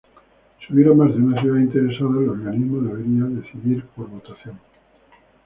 Si hubiera más de una ciudad interesada, el organismo deberá decidir por votación.